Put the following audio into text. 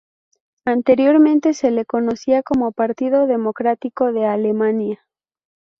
Anteriormente se le conocía como Partido Democrático de Alemania.